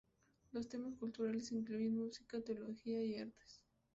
Los temas culturales incluyen música, teología y artes.